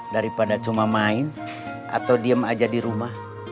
daripada cuma main atau diem aja di rumah